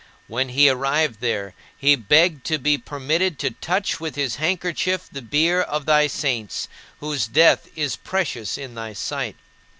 When he arrived there, he begged to be permitted to touch with his handkerchief the bier of thy saints, whose death is precious in thy sight.